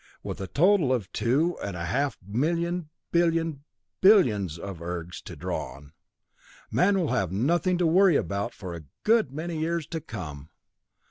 With a total of two and a half million billion billion billions of ergs to draw on, man will have nothing to worry about for a good many years to come!